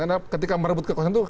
karena ketika merebut kekuasaan itu